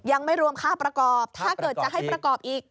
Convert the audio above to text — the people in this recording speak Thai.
ยังไม่รวมค่าประกอบถ้าเกิดจะให้ประกอบอีก